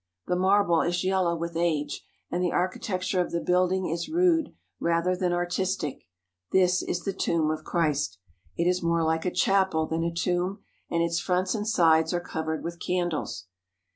The marble is yellow with age and the architecture of the building is rude rather than artistic. This is the tomb of Christ. It is 90 EASTER IN JERUSALEM more like a chapel than a tomb, and its fronts and sides are covered with candles.